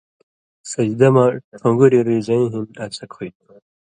سجدہ مہ ٹھُن٘گُریۡ رِزَیں ہِن اڅھک ہُوئ تھُو۔